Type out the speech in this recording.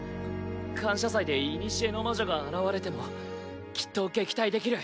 感謝祭で古の魔女が現れてもきっと撃退できる。